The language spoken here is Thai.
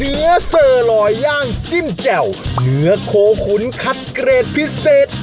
เนื้อเซอร์ลอยย่างจิ้มแจ่วเนื้อโคขุนคันเกรดพิเศษ